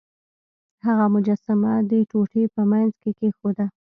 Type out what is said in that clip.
هغه مجسمه د ټوټې په مینځ کې کیښوده.